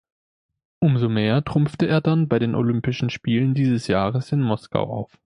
Umso mehr trumpfte er dann bei den Olympischen Spielen dieses Jahres in Moskau auf.